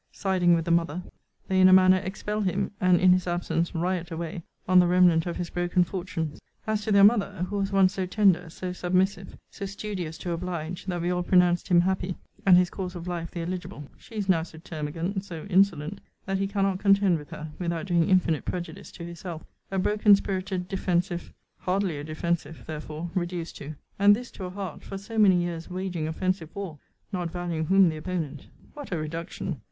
Siding with the mother, they in a manner expel him; and, in his absence, riot away on the remnant of his broken fortunes. As to their mother, (who was once so tender, so submissive, so studious to oblige, that we all pronounced him happy, and his course of life the eligible,) she is now so termagant, so insolent, that he cannot contend with her, without doing infinite prejudice to his health. A broken spirited defensive, hardly a defensive, therefore, reduced to: and this to a heart, for so many years waging offensive war, (not valuing whom the opponent,) what a reduction!